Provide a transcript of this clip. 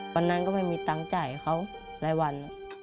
วันนั้นก็ไม่มีตังค์จ่ายเขารายวัน